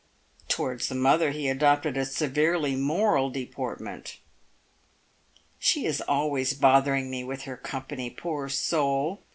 Towards the mother he adopted a severely moral deportment. " She is always bothering me with her company, poor soul !"